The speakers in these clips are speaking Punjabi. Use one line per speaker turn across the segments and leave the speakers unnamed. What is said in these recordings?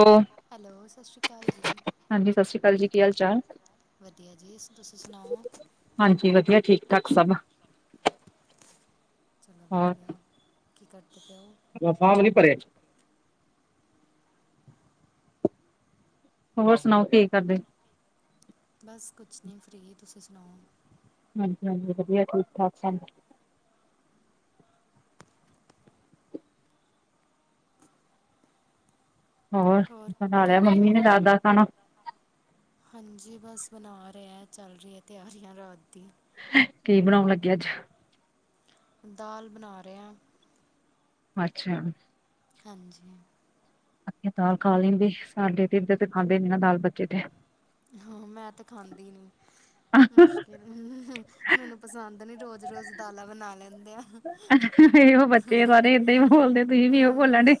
ਹੈਲੋ,
ਹੈਲੋ, ਸਤਿ ਸ਼੍ਰੀ ਅਕਾਲ ਜੀ
ਹਾਂਜੀ ਸਤਿ ਸ਼੍ਰੀ ਅਕਾਲ ਜੀ, ਕੀ ਹਾਲ ਚਾਲ?
ਵਧੀਆ ਜੀ, ਤੁਸੀਂ ਸੁਣਾਓ
ਹਾਂਜੀ, ਵਧੀਆ ਠੀਕ- ਠਾਕ ਸਭ
ਚਲੋ ਵਧੀਆ, ਕੀ ਕਰਦੇ ਪਏ ਉਹ
ਫਾਰਮ ਨਹੀ ਭਰਿਆ ਹੋਰ ਸੁਣਾਓ ਕੀ ਕਰਦੇ
ਬਸ ਕੁਛ ਨਹੀਂ ਫ੍ਰੀ, ਤੁਸੀਂ ਸੁਣਾਓ
ਹਾਂਜੀ -ਹਾਂਜੀ ਵਧੀਆ ਠੀਕ -ਠਾਕ ਸਾਨੂੰ ਹੋਰ, ਬਣਾ
ਕੀ
ਲਿਆ ਮੰਮੀ ਨੇ
ਰਹੇ
ਰਾਤ
ਹੋ
ਦਾ ਖਾਣਾ
ਹਾਂਜੀ ਬਸ ਬਣਾ ਰਹੇ ਚੱਲ ਰਹੀ ਹੈ, ਤਿਆਰੀਆਂ ਰਾਤ ਦੀ
ਕੀ ਬਣਾਉਣ ਲੱਗੇ ਅੱਜ
ਦਾਲ ਬਣਾ ਰਹੇ ਹੈ
ਅੱਛਾ
ਹਾਂਜੀ
ਅ ਦਾਲ ਖਾ ਲੈਂਦੇ, ਸਾਡੇ ਤੇ ਇਧਰ ਖਾਂਦੇ ਨੇ ਨਾ ਦਾਲ ਬੱਚੇ ਤੇ।
ਹਾਂ, ਮੈਂ ਤੇ ਖਾਂਦੀ ਨਹੀ ਮੁਸ਼ਕਿਲ ਹਮ, ਮੈਨੂੰ ਪਸੰਦ ਨੀ ਰੋਜ਼- ਰੋਜ਼ ਦਾਲਾਂ ਬਣਾ ਲੈਂਦੇ ਆ।
ਇਹੋ ਬੱਚੇ
ਹਮ
ਸਾਰੇ ਏਦਾਂ ਹੀ ਬੋਲਦੇ, ਤੁਸੀਂ ਵੀ ਇਹੋ ਬੋਲਣ ਡੇ।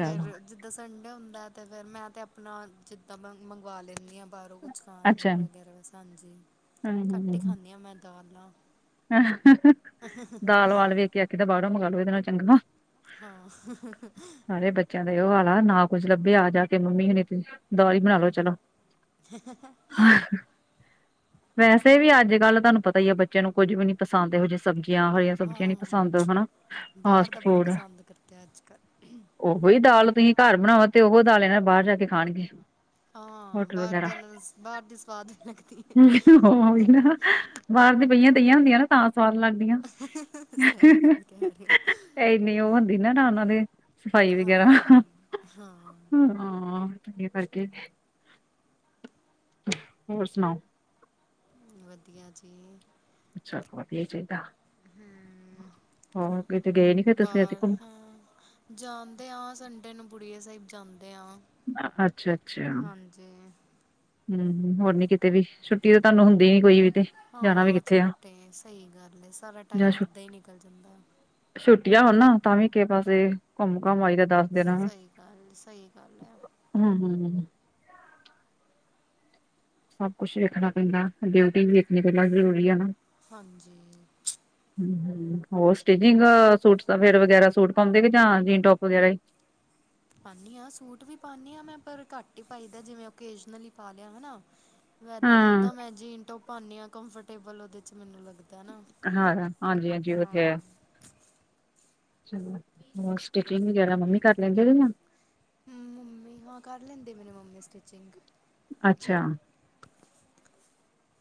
ਫਿਰ ਜਿੱਦਾਂ ਸੰਡੇ ਹੁੰਦਾ ਹੈ ਤੇ, ਫਿਰ ਮੈਂ ਤਾਂ ਆਪਣਾ ਜਿੱਦਾਂ ਮ ਮੰਗਵਾ ਲੈਂਦੀ ਹਾਂ ਬਾਹਰੋਂ ਕੁ, [unintelligible]
ਅੱਛਾ,
ਵਗੈਰਾ ਬਸ ਹਾਂਜੀ
ਹੂੰ
ਘੱਟ ਹੀ
ਹੂੰ।
ਖਾਣੀ ਆ ਮੈਂ ਦਾਲ ਨਾਲ਼।
ਦਾਲ ਵਾਲ ਵੇਖ ਕੇ ਆਖੀ ਦਾ ਬਾਹਰੋਂ ਮੰਗਾਲੋ ਇਹਦੇ ਨਾਲ ਚੰਗਾ।
ਹਾਂ,
ਸਾਰੇ ਬੱਚਿਆਂ ਦਾ ਇਹੋ ਹਾਲ ਆ ਨਾ ਕੁੱਝ ਲੱਭਿਆ ਜਾ ਕੇ ਮੰਮੀ ਦਾਲ ਬਣਾ ਲੋ ਚਲੋ ਵੈਸੇ ਵੀ ਅੱਜ ਕੱਲ ਤੁਹਾਨੂੰ ਪਤਾ ਹੀ ਆ ਬੱਚਿਆਂ ਨੂੰ ਕੁੱਝ ਵੀ ਨੀ ਪਸੰਦ ਇਹੋ ਜਿਹੀ ਸਬਜ਼ੀਆਂ ਹਰੀਆਂ। ਸਬਜ਼ੀਆਂ ਨੀ
ਹਾਂ
ਪਸੰਦ ਹਨਾ
ਬਾਹਰ
ਫਾਸਟ
ਦਾ ਬੜਾ
ਫੂਡ।
ਪਸੰਦ ਕਰਦੇ ਆ ਅੱਜ ਕੱਲ੍ਹ
ਉਹੋ ਹੀ ਦਾਲ ਤੁਸੀਂ ਘਰ ਬਣਾਓ ਤੇ ਉਹੋ ਦਾਲ ਇਹਨਾਂ ਬਾਹਰ ਜਾ ਕੇ ਖਾਣਗੇ।
ਹਾਂ,
ਹੋਟਲ
ਬਾਹਰ
ਵਗੈਰਾ
ਦੀ ਇਹਨਾਂ ਨੂੰ ਬਾਹਰ ਦੀ ਸਵਾਦ ਲੱਗਦੀ।
ਉਹੀ ਨਾ ਬਾਹਰ ਦੀ ਬਹੀਆਂ ਦਈਆਂ ਹੁੰਦੀਆਂ ਨਾ ਤਾਂ ਸਵਾਦ ਲੱਗਦੀਆਂ।
ਹੈ ਸਹੀ ਗੱਲ ਕਹਿ ਰਹੇ ਹੋ
ਏਨੀ ਉਹ ਹੁੰਦੀ ਨਾ ਓਨਾ ਦੇ। ਸਫਾਈ ਵਗੈਰਾ ਹਾਂ।
ਹਾਂ
ਇਹ ਕਰਕੇ ਹੋਰ ਸੁਣਾਓ।
ਵਧੀਆ ਜੀ।
ਵਧੀਆ ਚਾਹੀਦਾ।
ਹਮ
ਹੋਰ ਕਿਤੇ ਗਏ ਨੀ ਫੇਰ ਤੁਸੀਂ ਅੱਜ
ਬਾਹਰ
ਘੁੰਮਣ
ਹਾਂ ਜਾਂਦੇ ਆ ਸੰਡੇ ਨੂੰ ਬੁੜੀਆਂ ਸਾਹਿਬ ਜਾਂਦੇ ਆ।
ਅੱਛਾ ਅੱਛਾ।
ਜ਼ੇ
ਹੂੰ, ਹੋਰ ਨੀ ਕਿਤੇ ਵੀ ਤਾਂ ਤੁਹਾਨੂੰ ਹੁੰਦੀ ਨੀ ਕੋਈ ਵੀ ਤੇ ਜਾਣਾ ਵੀ
ਹਾਂ,
ਕਿੱਥੇ ਆ
ਛੁੱਟੇ ਸਹੀ ਗੱਲ ਏ ਸਾਰਾ
ਜਾਂ
ਟਾਈਮ
ਛੁ
ਏਦਾਂ ਹੀ ਨਿਕਲ। ਨਿਕਲ ਜਾਂਦਾ।
ਛੁੱਟੀਆਂ ਹੋਣ ਨਾ ਤਾਂ ਵੀ ਕਿਸੇ ਪਾਸੇ ਘੁੰਮ ਘਾਮ ਆਈ ਦਾ। ਦਸ ਦਿਨ
ਸਹੀ ਗੱਲ ਸਹੀ ਗੱਲ ਐ।
ਹੂੰ ਹੂੰ, ਸਭ ਕੁਛ ਵੇਖਣਾ ਪੈਂਦਾ ਡਿਊਟੀ ਵੀ ਵੇਖਣੀ ਪਹਿਲਾਂ ਜ਼ਰੂਰੀ ਆ ਨਾ।
ਹਾਂਜੀ।
ਹੂੰ ਹੂੰ, ਹੋਰ ਸਟਿਜਿੰਗ ਸੂਟ ਫੇਰ ਵਗੈਰਾ ਸੂਟ ਪਾਂਦੇ ਜਾਂ ਜੀਨ ਟੋਪ ਵਗੈਰਾ ਹੀ।
ਪਾਣੀ ਆ ਸੂਟ ਵੀ ਪਾਣੀ ਆ ਮੈਂ ਪਰ ਘੱਟ ਹੀ ਪਾਈ ਦਾ ਜਿਵੇਂ ਓਕੇਜਨਲੀ ਹੀ ਪਾ ਲਿਆ ਦਾ ਹੈ ਨਾ। ਵੈ
ਹਾਂ,
ਉੱਦਾਂ ਮੈਂ ਜੀਨ ਟੋਪ ਪਾਣੀ ਆ ਕੰਫਰਟੇਬਲ ਉਹਦੇ 'ਚ ਮੈਨੂੰ ਲੱਗਦਾ। ਨਾ
ਹਾਂ ਹਾਂਜੀ-ਹਾਂਜੀ ਉਹ
ਹਾਂ।
ਤੇ ਹੈ ਹੋਰ ਸਟਿਚਿੰਗ ਵਗੈਰਾ ਮੰਮੀ ਕਰ ਲੈਂਦੇ ਨੇ ਨਾ।
ਮੰਮੀ ਹਾਂ ਕਰ ਲੈਂਦੇ ਮੇਰੀ ਮੰਮੀ ਸਟਿਚਿੰਗ।
ਅੱਛਾ,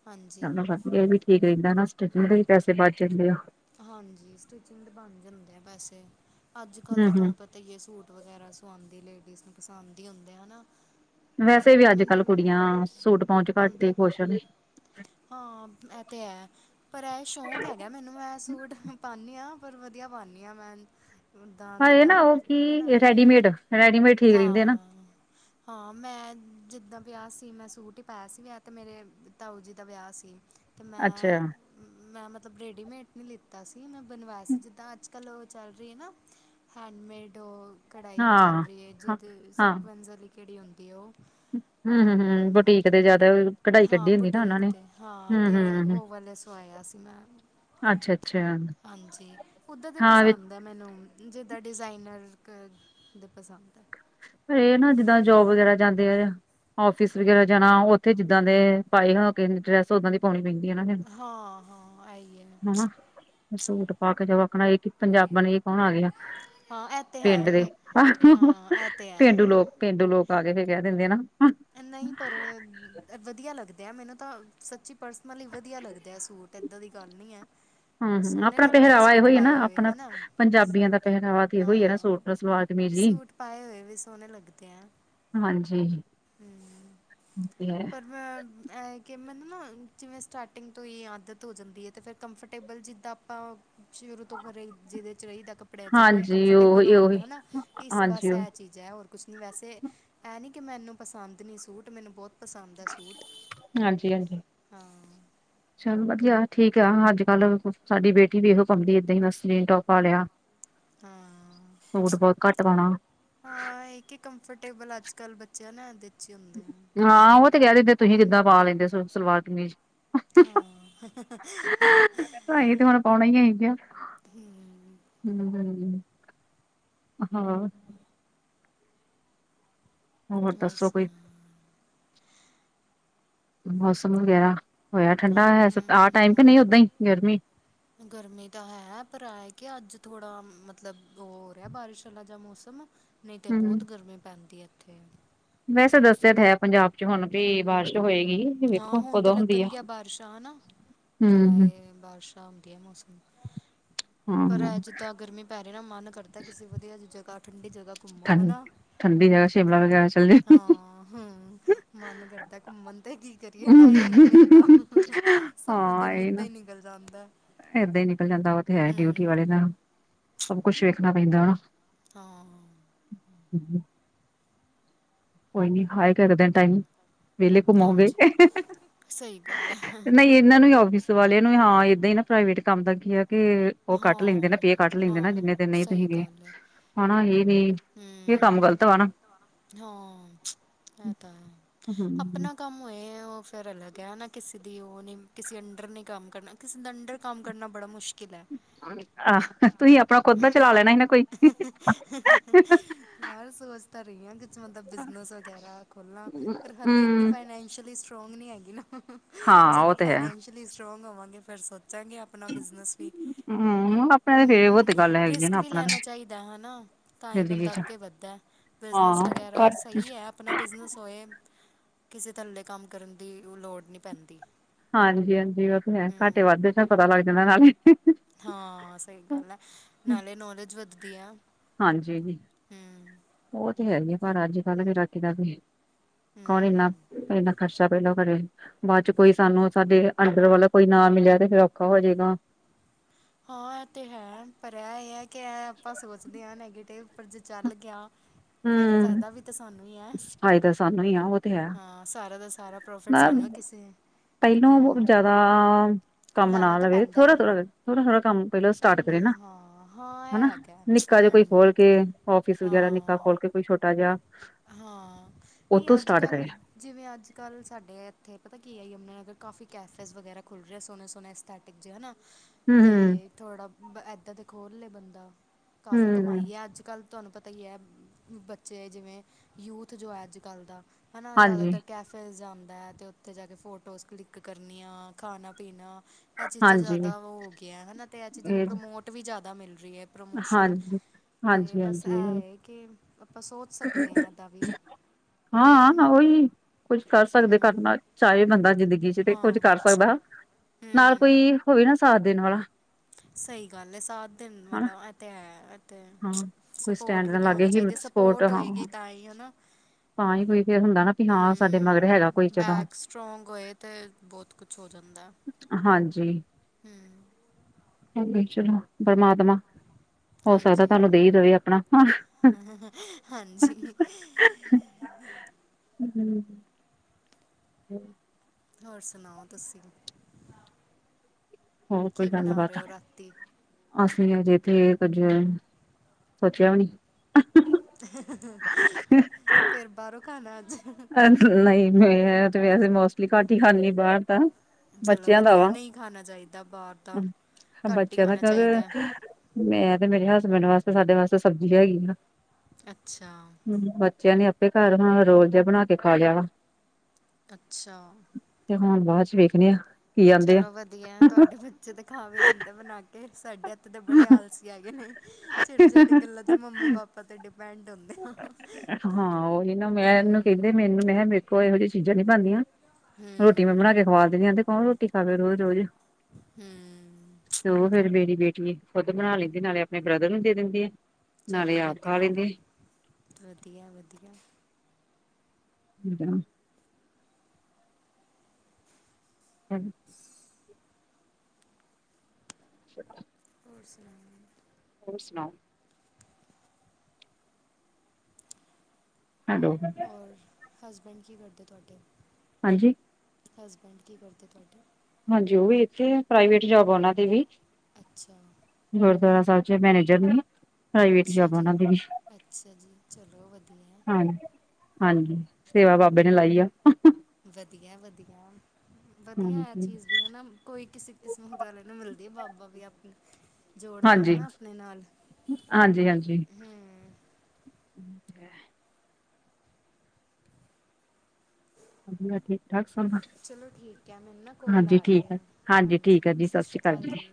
ਹਾਂਜੀ
ਚਲੋ ਇਹ ਵੀ ਠੀਕ ਰਹਿੰਦਾ ਨਾ ਸਟੀਚਿੰਗ ਦੇ ਹੀ ਪੈਸੇ ਬਚ ਜਾਂਦੇ ਆ।
ਹਾਂਜੀ, ਸਟਿਚਿੰਗ ਦੇ ਬਣ ਜਾਂਦੇ ਆ ਪੈਸੇ ਅੱਜ ਕੱਲ੍ਹ ਤਾਂ
ਹੂੰ-ਹੂੰ
ਤੁਹਾਨੂੰ ਪਤਾ ਈ ਸੂਟ ਵਗੈਰਾ ਸੁਆਉਂਦੀ ਲੇਡੀਜ਼ ਨੂੰ ਪਸੰਦ ਹੀ ਹੁੰਦੇ ਆ ਨਾ।
ਵੈਸੇ ਵੀ ਅੱਜ ਕੱਲ
ਮੈਨੂੰ
ਕੁੜੀਆਂ ਸੂਟ ਪਾਉਣ ਚ ਘੱਟ ਹੀ
ਪਾਉਂਦੇ
ਖੁਸ਼ ਨੇ।
ਹਾਂ ਇਹ ਤੇ ਹੈ। ਪਰ ਇਹ ਸ਼ੌਂਕ ਹੈਗਾ ਮੈਨੂੰ ਮੈਂ ਸੂਟ ਪਾਣੀ ਆ ਪਰ ਵਧੀਆ ਪਾਣੀ ਆ ਮੈਂ ਓਦਾਂ
ਪਰ ਇਹ
ਜਿੱਦਾਂ
ਨਾ ਉਹ
ਹੈਨਾ
ਕੀ ਰੈਡੀਮੇਡ ਰੈਡੀਮੇਡ ਠੀਕ ਰਹਿੰਦੇ
ਹਾਂ।
ਨਾ
ਹਾਂ, ਮੈਂ ਜਿੱਦਾਂ ਵਿਆਹ ਸੀ ਮੈਂ ਸੂਟ ਹੀ ਪਾਇਆ ਸੀ ਵਿਆਹ ਤੇ ਮੇਰੇ ਤਾਊ ਜੀ ਦਾ ਵਿਆਹ ਸੀ। ਤੇ
ਅੱਛਾ
ਮੈਂ ਮੈਂ ਮਤਲਬ ਰੇਡੀਮੇਟ ਨਹੀਂ ਲਿੱਤਾ ਸੀ ਮੈਂ ਬਣਵਾਇਆ ਸੀ ਜਿੱਦਾਂ ਅੱਜਕਲ੍ਹ ਅੱਜ ਕੱਲ ਚੱਲ ਰਹੀ ਐ ਨਾ ਹੈਂਡ ਮੇਡ ਡੋਲ ਕਢਾਈ ਚੱਲ
ਹਾਂ
ਰਹੀ ਐ
ਹਾਂ
ਜਿਹਦੇ
ਹਾਂ
ਸਿਕੁੈਂਸ ਵਾਲੀ ਕਿਹੜੀ ਹੁੰਦੀ ਹੈ ਉਹ।
ਹਮ ਹਮ ਹਮ ਬੁਟੀਕ ਦੇ ਜਿਆਦਾ ਕਢਾਈ
ਹਾਂ
ਕੱਢੀ ਹੁੰਦੀ ਨਾ ਉਹਨਾਂ
ਬੁਟੀਕ
ਨੇ
ਤੇ ਹਾਂ
ਹਮ
ਤੇ
ਹਮ
ਉਹ ਵਾਲੇ। ਪਾਇਆ ਸੀ ਮੈਂ
ਅੱਛਾ ਅੱਛਾ
ਹਾਂਜੀ ਓਦਾ ਦੇ
ਹਾਂ ਵਿੱਚ
ਪਸੰਦ ਮੈਨੂੰ ਨੂੰ ਜਿੱਦਾ ਡਿਜ਼ਾਇਨਰ ਕ ਦੇ ਪਸੰਦ ਐ।
ਪਰ ਇਹ ਨਾ ਜਿੱਦਾਂ ਜੋਬ ਵਗੈਰਾ ਜਾਂਦੇ ਆ। ਆਫਿਸ ਵਗੈਰਾ ਜਾਣਾ ਉੱਥੇ ਜਿੱਦਾਂ ਦੇ ਪਾਏ ਹੋ ਕੇ ਡਰੈਸ। ਸੌ ਓਦਾ ਦੀ ਪੋਣੀ ਪੈਂਦੀਆਂ ਨਾ ਫੇਰ।
ਹਾਂ, ਹਾਂ ਐਈ ਐ।
ਹੈਨਾ, ਸੂਟ ਪਾ ਕੇ ਜਾਓ ਆਖਣਾ ਇਹ ਕਿ ਪੰਜਾਬਣ ਇਹ ਕੌਣ ਆ ਗਿਆ।
ਹਾਂ ਇਹ ਤਾਂ ਹੈ
ਪਿੰਡ ਦੇ,
ਹਾਂ ਇਹ ਤਾਂ ਹੈ
ਪੇਂਡੂ ਲੋਕ, ਪੇਂਡੂ ਲੋਕ ਆ ਗਏ ਕੈ ਦਿੰਦੇ ਆ ਨਾ।
ਐ ਨਈ ਪਰ ਐ ਵਧੀਆ ਲੱਗਦੇ ਆ ਮੈਨੂੰ ਤਾਂ ਸੱਚੀ ਪਰਸਨਲੀ ਵਦੀਆ ਲੱਗਦਾ ਆ ਸੂਟ। ਇੱਦਾਂ ਦੀ ਗੱਲ ਨਹੀਂ ਹੈ।
ਹੂੰ ਹੂੰ
ਸੋਨੇ
ਆਪਣਾ
ਲੱਗਦੇ ਆ
ਪਹਿਰਾਵਾ ਇਹੋ
ਸੂਟ
ਹੀ ਹੈ ਨਾ
ਪਾਏ ਹੋਏ,
ਆਪਣਾ
ਹੈਨਾ
ਪੰਜਾਬੀਆਂ ਦਾ ਪਹਿਰਾਵਾ ਤੇ ਇਹੋ ਹੀ ਹੈ ਨਾ
ਹਾਂ।
ਸੂਟ ਸਲਵਾਰ ਕਮੀਜ਼ ਹੀ
ਸੂਟ ਪਾਏ ਹੋਏ ਵੀ ਸੋਨੇ ਲੱਗਦੇ ਐ।
ਹਾਂਜੀ, ਵਦੀਆ।
[unintelligible] ਐ ਕਿ ਮੈਨੂੰ ਨਾ ਜਿਵੇਂ ਸਟਾਰਟਿੰਗ ਤੋਂ ਈ ਆਦਤ ਓ ਜਾਂਦੀ ਐ ਤੇ ਫਿਰ ਕੰਫਰਟੇਬਲ ਜਿੱਦਾਂ ਆਪਾਂ ਸ਼ੁਰੂ ਤੋਂ ਫੇਰ ਰਈ ਜਿਹਦੇ ਚ ਰਈ ਦਾ ਕਪੜਿਆ ਚ ਓਹੀ
ਹਾਂਜੀ
ਕੰਫਰਟੇਬਲ
ਉਹੀ
ਹੋਣ
ਉਹੀ
ਹੈਨਾ, ਇਸ
ਹਾਂਜੀ
ਬਸ
ਉਹ
ਐ ਚੀਜ਼ ਐ, ਹੋਰ ਕੁਛ ਨੀ ਵੈਸੇ, ਐ ਨੀ ਕਿ ਮੈਨੂੰ ਪਸੰਦ ਨੀ ਸੂਟ, ਮੈਨੂੰ ਬੌਤ
ਹਾਂਜੀ-ਹਾਂਜੀ।
ਹਾਂ
ਚੱਲ ਵਦੀਆ ਠੀਕ ਆ, ਅੱਜ ਕੱਲ ਸਾਡੀ ਬੇਟੀ ਵੀ ਇਹੋ ਪਾਓਂਦੀ ਐ ਏਦਾਂ ਈ ਬਸ ਜੀਨ ਟੋਪ ਪਾ ਲਿਆ।
ਹਾਂ
ਸੂਟ ਬੌਤ ਘੱਟ ਪਾਉਣਾ।
ਹਾਂ, ਇਹ ਕਿ ਕੰਫਰਟੇਬਲ ਅੱਜ ਕੱਲ ਬੱਚਿਆਂ ਨਾ ਏਦੇ ਚ ਈ ਹੁੰਦੇ ਆ।
ਹਾਂ, ਉਹ ਤੇ ਕੈ ਦਿੰਦੇ ਤੁਸੀਂ ਕਿੱਦਾਂ
ਹੂੰ
ਪਾ ਲੈਂਦੇ ਸ ਸਲਵਾਰ ਕਮੀਜ਼?
ਹਾਂ [unintelligible]
[unintelligible] ਪਾਓਨਾ ਈ ਐਹੀ ਕਿਆ, ਹੂੰ, ਹਾਂ।
ਹੋਰ
ਦੱਸੋ ਕੋਈ
ਸੁਣਾ?
ਮੌਸਮ ਵਗੈਰਾ ਹੋਇਆ ਠੰਡਾ ਹੈ, ਆਹ ਟਾਈਮ ਕਿ
ਹੂੰ
ਨਹੀਂ ਓਦਾਂ ਹੀ ਗਰਮੀ।
ਗਰਮੀ ਤਾਂ ਹੈ, ਪਰ ਐਈ ਕਿ ਅੱਜ ਥੋੜਾ ਮਤਲਬ ਉਹ ਹੋ ਰਿਆ ਬਾਰਿਸ਼ ਵਾਲਾ ਜ ਮੌਸਮ ਨਈ ਤੇ
ਹਮ
ਬੌਤ ਗਰਮੀ ਪੈਂਦੀ ਐ ਇੱਥੇ।
ਵੈਸੇ ਦੱਸਿਆ ਤੇ ਹੈ ਪੰਜਾਬ ਚ ਹੁਣ ਵੀ ਬਾ
ਹਾਂ, ਹੁਣ ਤੇ ਲੱਗਣਗੀਆਂ ਬਾਰਿਸ਼ਾਂ ਹੈਨਾ,
ਹਮ ਹਮ
ਜੁਲਾਏ ਬਾਰਿਸ਼ਾਂ ਆਓਂਦੀਆ ਮੋਸਮ, ਪਰ
ਹਾਂ
ਅੱਜ ਤਾਂ ਗਰਮੀ ਪੈਰੀ ਐ ਨਾ, ਮਨ ਕਰਦਾ ਕਿਸੇ ਵਦੀਆ ਜੀ ਜਗ੍ਹਾ, ਠੰਡੀ ਜਗ੍ਹਾ ਘੁੰਮੋ
ਠੰ
ਹੈਨਾ?
ਠੰਡੀ ਜਗ੍ਹਾ ਸ਼ਿਮਲਾ ਵਗੈਰਾ ਚੱਲ ਜਾ
ਹਾਂ, ਹੂੰ ਮਨ ਕਰਦਾ ਘੁੰਮਣ ਤੇ ਕੀ ਕਰੀਏ, ਟਾਈਮ ਈ ਨੀ ਮਿਲਦਾ, ਸਾਰਾ
ਹਾਂ
ਦਿਨ
ਇਹ
ਏਦਾਂ
ਨਾ
ਈ ਨਿਕਲ ਜਾਂਦਾ।
ਏਦਾਂ ਈ ਨਿਕਲ ਜਾਂਦਾ ਓ ਤੇ ਹੈ ਡਿਊਟੀ ਵਾਲੇ
ਹੂੰ
ਦਾ, ਸਭ ਕੁਛ ਵੇਖਣਾ ਪੈਂਦਾ ਐਨਾ।
ਹਾਂ।
[inaudible] ਕੋਈ ਨੀ ਹਾਏਗਾ ਇੱਕ ਦਿਨ ਟਾਈਮ ਵਿਹਲੇ ਘੁੰਮੋਗੇ,
ਹਾਂਜੀ ਸਹੀ ਗੱਲ ਹੈ
ਨਈ ਇਹਨਾਂ ਨੂੰ ਈ ਆਫਿਸ ਵਾਲਿਆਂ ਨੂੰ ਹਾਂ, ਏਦਾਂ ਈ ਨਾ ਪ੍ਰਾਈਵੇਟ ਕੰਮ ਦਾ ਕੀ ਆ ਕੇ ਓ ਕੱਟ ਲੈਂਦੇ
ਹਾਂ,
ਨਾ, ਪੇ ਕੱਟ ਲੈਂਦੇ ਨਾ,
ਹਾਂ
ਜਿੰਨੇ ਦਿਨ ਨਈ
ਸਹੀ
ਤੁਹੀ ਗਏ,
ਗੱਲ ਹੈ।
ਓਨਾਂ ਹੀਨੀ।
ਹੂੰ, ਹਾਂ, ਇਹ ਤਾਂ ਐ,
ਹੂੰ
ਅਪਣਾ ਕੰਮ ਹੋਏ ਉਹ ਫੇਰ ਅਲੱਗ ਐ ਹੈਨਾ, ਕਿਸੇ ਦੀ ਉਹ ਨੀ, ਕਿਸੇ ਅੰਡਰ ਨੀ ਕੰਮ ਕਰਨਾ, ਕਿਸੇ ਦੇ ਅੰਡਰ ਕੰਮ ਕਰਨਾ ਬੜਾ ਮੁਸ਼ਕਿਲ ਐ।
ਆਹ! ਤੁਸੀਂ ਆਪਣਾ ਖੁਦ ਦਾ ਚਲਾ ਲੈਣਾ ਈ ਨਾ ਕੋਈ।
ਯਾਰ ਸੋਚ ਤਾਂ ਰਈ ਆ ਕੁਛ ਮਤਲਬ ਬਿਜਨਸ ਵਗੈਰਾ ਖੋੱਲਾਂ, ਪਰ ਹਲੇ ਇੰਨੀ
ਹੂੰ
ਫਾਈਨੈਂਸ਼ਅਲੀ ਸ ਸਟਰੋਂਗ ਨੀ ਹੈਗੀ ਨਾ,
ਹਾਂ ਉਹ
ਜਦੋਂ
ਤੇ ਹੈ
ਫਾਈਨੈਂਸ਼ਅਲੀ ਸਟਰੋਂਗ ਹੋਵਾਂਗੇ ਫਿਰ ਸੋਚਾਂਗੇ ਅਪ ਪਣਾ ਬਿਜ਼ਨਸ ਵੀ
ਹੂੰ ਅਪਣੇੇ ਤੇ [unintelligible]
ਹਮ,
ਆ
ਰਿਸਕ
ਨਾ
ਵੀ
ਆਪਣਾ ਤਾਂ
ਲੈਣਾ ਚਾਈਦਾ ਹੈਨਾ, ਤਾਂ ਈ
ਜ਼ਿੰਦਗੀ
ਬੰਦਾ
ਚ
ਅੱਗੇ ਵੱਧਦਾ,
ਹਾਂ
ਬਿਜਨਸ ਵਗੈਰਾ ਸਈ ਐ, ਅਪਣਾ ਬਿਜ਼ਨਸ ਹੋਏ ਕਿਸੇ ਥੱਲੇ ਕੰਮ ਕਰਨ ਦੀ ਉਹ ਲੋੜ ਨੀ ਪੈਂਦੀ।
ਹਾਂਜੀ-ਹਾਂਜੀ, ਓ ਤੇ ਹੈ, ਘਾਟੇ
ਹਮ
ਵਾੱਧੇ ਚ ਨਾ ਪਤਾ ਲੱਗ ਜਾਂਦਾ ਨਾਲੇ।
ਹਾਂ, ਸਈ ਗੱਲ ਐ, ਨਾਲੇ ਨੌਲੇਜ ਵੱਧਦੀ ਐ।
ਹਾਂਜੀ ਜੀ। ਉਹ ਤੇ ਹੈਗੀ ਆ ਪਰ ਅੱਜ ਕੱਲ ਵੀ ਰਾਕੀ ਦਾ ਵੀ ਕੌਣ ਇੰਨਾ
ਹਮ
ਇਨਾ? ਖਰਚਾ ਪੈਲਾਂ ਕਰੇ, ਬਾਦ ਚ ਕੋਈ ਸਾਨੂੰ ਸਾਡੇ ਅੰਡਰ ਵਾਲਾ ਕੋਈ ਨਾ ਮਿਲਿਆ ਤੇ ਫੇਰ ਓਖਾ ਹੋਜਏਗਾ।
ਹਾਂ ਇਹ ਤਾਂ ਹੈ, ਪਰ ਇਹ ਇਹ ਹੈ ਕਿ ਇਹ ਆਪਾਂ ਸੋਚਦੇ ਆ ਨੈਗੇਟਿਵ ਪਰ ਜੇ ਚੱਲ ਗਿਆ। ਫੇਰ
ਹੂੰ
ਫਾਇਦਾ ਵੀ ਤਾਂ ਸਾਨੂੰ ਹੀ ਐ
ਫਾਇਦਾ ਸਾਨੂੰ ਹੀ ਆ ਉਹ ਤੇ
ਹਾਂ, ਸਾਰਾ ਦਾ ਸਾਰਾ ਪ੍ਰੋਫਿਟ
ਹੈ
ਸਾਨੂੰ ਕਿਸੇ
ਪਹਿਲੋਂ
ਹਾਂ
ਜਿਆਦਾ ਕੰਮ
ਲਾਣਾ
ਨਾ
ਤਾਂ
ਲਵੇ
ਪੈਂਦਾ ਹੈ
ਥੋੜ੍ਹਾ-ਥੋੜ੍ਹਾ, ਥੋੜ੍ਹਾ-ਥੋੜ੍ਹਾ ਕੰਮ! ਪਹਿਲ ਸਟਾਰਟ
ਪਹਿਲੇ
ਕਰੇ ਨਾ
ਹਾਂ ਹਾਂ
ਹਨਾ!
ਇਹ ਹੈਗਾ
ਨਿੱਕਾ ਜਿਹਾ ਕੋਈ
ਹੂੰ
ਖੋਲ ਕੇ ਓਫਿਸ ਵਗੈਰਾ
ਹਾਂ
ਖੋਲ ਕੇ ਕੋਈ ਛੋਟਾ ਜਾ,
ਹਾਂ ਨਹੀਂ
ਉੱਥੋਂ
ਅੱਜ
ਸਟਾਰਟ
ਕੱਲ੍ਹ
ਕਰੇ।
ਜਿਵੇਂ ਅੱਜ ਕੱਲ੍ਹ ਸਾਡੇ ਇੱਥੇ ਪਤਾ ਕੀ ਆ ਯਮਨਾ ਨਗਰ ਕਾਫੀ ਕੈਫੇਜ਼ ਵਗੈਰਾ ਖੁੱਲ੍ਹ ਰਿਹਾ ਸੋਹਣੇ ਸੋਹਣੇ ਇਸ ਤ [unintelligible] ਹਨਾ।
ਹੂੰ,
ਤੇ ਥੋੜ੍ਹਾ ਬ ਇੱਦਾਂ ਦੇ ਖੋਲ੍ਹ ਲਏ ਬੰਦਾ ਕਾਫੀ
ਹੂੰ,
ਕਮਾਈ ਐ ਅੱਜ ਕੱਲ੍ਹ। ਤੁਹਾਨੂੰ ਪਤਾ ਈ ਐ ਬੱਚੇ ਜਿਵੇਂ ਯੂਥ ਜੋ ਐ ਅੱਜ ਕੱਲ੍ਹ ਦਾ ਹਨਾ ਜ਼ਿਆਦਾਤਰ
ਹਾਂਜੀ-ਹਾਂਜੀ
ਕੈਫੇਜ਼ ਜਾਂਦਾ ਤੇ ਉੱਥੇ ਜਾ ਕੇ ਫੋਟੋਸ ਕਲਿੱਕ ਕਰਨੀਆਂ ਖਾਣਾ ਪੀਣਾ ਐ ਚੀਜ਼ਾਂ ਜ਼ਿਆਦਾ ਓ ਗਈਆਂ ਹਨਾ ਤੇ ਇਹ ਚੀਜ਼ਾਂ ਨੂੰ ਪ੍ਰਮੋਟ ਵੀ ਜ਼ਿਆਦਾ ਮਿਲ ਰੀ ਐ। ਪ੍ਰਮੋਸ਼ਨ
ਹਾਂਜੀ।
ਤੇ ਬਸ ਇਹ
ਹਾਂਜੀ-ਹਾਂਜੀ
ਐ ਕਿ ਆਪਾਂ ਸੋਚ ਸਕਦੇ ਹਾਂ ਇੱਦਾਂ ਵੀ
ਹਾਂ ਉਹੀ। ਕੁੱਝ ਕਰ ਸਕਦੇ ਕਰਨਾ ਚਾਹੇ ਬੰਦਾ ਜ਼ਿੰਦਗੀ ਚ ਤੇ ਕੁੱਝ
ਹਾਂ
ਕਰ ਸਕਦਾ ਨਾਲ।
ਹਮ
ਕੋਈ ਹੋਵੇ ਨਾ ਸਾਥ ਦੇਣ ਵਾਲਾ।
ਸਹੀ ਗੱਲ ਏ ਸਾਥ ਦੇਣ
ਹਨਾ
ਵਾਲਾ। ਏ ਤੇ ਹੈ ਏ ਤੇ ਹੈ
ਹਾਂ। ਕੋਈ
ਸਪੋਰਟ
ਸਟੈਂਡ
ਵੀ
ਨਾ
ਤਾਂ
ਲਾਗੇ
ਹੋਣੀ ਚਾਹੀਦੀ ਐ
ਹਿੰਮਤ
ਸਪੋਰਟ
ਹਾਂ
ਹੋਏਗੀ ਤਾਂ ਹੀ ਹਨਾ।
ਤਾਂ ਹੀ ਕੋਈ ਫਿਰ ਹੁੰਦਾ ਨਾ। ਵੀ ਹਾਂ ਸਾਡੇ ਮਗਰ
ਹੂੰ,
ਹੈਗਾ ਕੋਈ ਚਲੋ
ਬੈਕ ਸਟਰੋਂਗ ਹੋਏ ਤਾਂ ਬਹੁਤ ਕੁਛ ਹੋ ਜਾਂਦਾ।
ਹਾਂਜੀ,
ਹੂੰ,
ਹਾਂ ਚਲੋ ਪਰਮਾਤਮਾ। ਹੋ ਸਕਦਾ
ਹਾਂਜੀ
ਤੁਹਾਨੂੰ ਦੇਈ ਦਵੇ ਆਪਣਾ।
ਹਾਂਜੀ
ਹੂੰ, [unintelligible]
ਹੋਰ ਸੁਣਾਓ ਤੁਸੀਂ
ਹੋਰ ਕੋਈ
ਕੀ ਬਣਾ
ਗੱਲਬਾਤ
ਰਹੇ ਓ ਰਾਤੀ।
ਅਸੀਂ ਅਜੇ ਤੇ ਕੁੱਝ ਸੋਚਿਆ ਵੀ ਨੀ।
ਫਿਰ ਬਾਹਰੋਂ ਖਾਣਾ ਅੱਜ।
ਨਹੀਂ ਮੈਂ ਤੇ ਵੈਸੇ ਮੋਸਟਲੀ ਘੱਟ ਹੀ ਖਾਂਣੀ ਬਾਹਰ ਤਾਂ।
ਚਲੋ
ਬੱਚਿਆਂ ਦਾ
ਵਧੀਆ
ਵਾ
ਨਹੀਂ ਖਾਣਾ ਚਾਹੀਦਾ ਬਾਹਰ ਦਾ ਘੱਟ ਹੀ
ਬੱਚਿਆਂ ਦਾ
ਖਾਣਾ ਚਾਹੀਦਾ
ਕਿਉਂਕਿ ਮੈਂ ਤੇ ਮੇਰੇ ਹਸਬੈਂਡ ਵਾਸਤੇ ਸਾਡੇ ਵਾਸਤੇ ਸਬਜ਼ੀ ਹੈਗੀ ਆ।
ਅੱਛਾ
ਬੱਚਿਆਂ ਨੇ ਆਪੇ ਘਰ ਹੁਣ ਰੋਲ ਜਾ ਬਣਾ ਕੇ ਖਾ ਲਿਆ ਵਾ।
ਅੱਛਾ,
ਤੇ ਹੁਣ ਬਾਅਦ ਚ ਵੇਖਣੇ ਆ। ਕੀ ਆਂਦੇ
ਚਲੋ ਵਧੀਆ
ਆ
ਤੁਹਾਡੇ ਬੱਚੇ ਤਾਂ ਖਾ ਵੀ ਲੈਂਦੇ ਬਣਾ ਕੇ ਸਾਡੇ ਏਥੇ ਦੇ ਬੜੇ ਆਲਸੀ ਹੈਗੇ ਨੇ। ਛੋਟੇ ਛੋਟੀ ਗੱਲਾਂ ਤੇ ਮੰਮੀ ਪਾਪਾ ਤੇ ਡਿਪੈਂਡ ਹੁੰਦੇ ਆ।
ਹਾਂ, ਉਹੀ ਨਾ ਮੈਂਨੂੰ ਕਹਿੰਦੇ
ਹੂੰ।
ਮੈਨੂੰ ਮੈਂ ਕਿਹਾ ਮੇਰੇ ਕੋਲ ਇਹੋ ਜਿਹੀਆਂ ਚੀਜ਼ਾਂ ਨੀ ਬਣਦੀਆਂ। ਰੋਟੀ ਮੈਂ
ਹੂੰ
ਬਣਾ ਕੇ ਖਵਾ ਦਿੰਦੀ ਆ ਤੇ ਕੌਣ ਰੋਟੀ ਖਾਵੇ ਰੋਜ਼ ਰੋਜ਼।
ਹੂੰ
ਤੇ ਉਹ ਫੇਰ ਮੇਰੀ ਬੇਟੀ ਖੁਦ ਬਣਾ ਲੈਂਦੀ ਨਾਲੇ ਆਪਣੇ ਬ੍ਰਦਰ ਨੂੰ ਦੇ ਦਿੰਦੀ ਆ। ਨਾਲੇ
ਚਲੋ
ਆਪ ਖਾ
ਵਧੀਆ
ਲੈਂਦੇ
ਵਧੀਆ ਵਧੀਆ।
ਹੂੰ, [unintelligible] [inaudible]
ਹੋਰ ਸੁਣਾਓ?
ਹੋਰ ਸੁਣਾਓ? ਹੈਲੋ,
ਹੋਰ ਹਸਬੈਂਡ ਕੀ ਕਰਦੇ ਤੁਹਾਡੇ।
ਹਾਂਜੀ,
ਹਸਬੈਂਡ ਕੀ ਕਰਦੇ ਤੁਹਾਡਾ।
ਹਾਂਜੀ ਉਹ ਵੀ ਇੱਥੇ ਆ ਪ੍ਰਾਈਵੇਟ ਜੋਬ ਆ ਉਹਨਾ ਦੀ ਵੀ
ਅੱਛਾ
ਗੁਰਦੁਆਰੇ ਸਾਹਿਬ ਚ ਮੈਨੇਜਰ ਨੇ ਪ੍ਰਾਈਵੇਟ
ਅੱਛਾ
ਜੋਬ
ਜੀ।
ਉਹਨਾ ਦੀ ਵੀ,
ਅੱਛਾ ਜੀ ਚਲੋ ਵਧੀਆ ਐ।
ਹਾਂਜੀ ਹਾਂਜੀ, ਸੇਵਾ ਬਾਬੇ ਨੇ
ਮੇਰੇ
ਲਾਈ
ਪਾਪਾ
ਆ
ਵਧੀਆ- ਵਧੀਆ -ਵਧੀਆ ਆ
ਹਾਂਜੀ
ਚੀਜ਼ ਹਨਾ ਕੋਈ ਕਿਸੇ ਕਿਸਮ ਦੁਆਲੇ ਨੂੰ ਮਿਲਦੀ ਹੈ। ਬਾਬਾ ਵੀ ਆਪਣੇ। ਜੋੜਦਾ ਹੈ।
ਹਾਂਜੀ
ਆਪਣੇ ਨਾਲ
ਹਾਂਜੀ
ਹਮ।
ਅੱ। ਵਧੀਆ ਠੀਕ ਠਾਕ ਸਭ
ਚਲੋ ਠੀਕ ਹੈ। ਮੈਨੂੰ ਨਾ ਕੋਲ ਆ ਰਹੀ ਹੈ। ਹਾਂਜੀ। ਸਤਿ ਸ਼੍ਰੀ ਅਕਾਲ। ਸਤਿ ਸ੍ਰੀ ਅਕਾਲ ਜੀ।